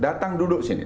datang duduk sini